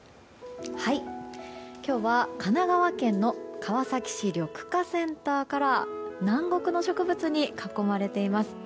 今日は神奈川県の川崎市緑化センターから南国の植物に囲まれています。